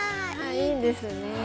いいですね。